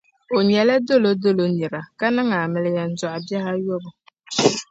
O nyɛla dolo dolo nira ka niŋ amiliya n-dɔɣi bihi ayobu.